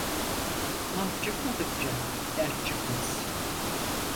Mart çıkmadıkça dert çıkmaz.